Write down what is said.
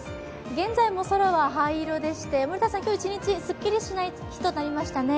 現在も空は灰色でして、森田さん、今日一日すっきりしない日となりましたね。